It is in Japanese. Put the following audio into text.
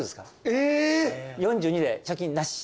４２で貯金なし。